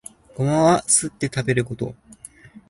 ゴマはすって食べること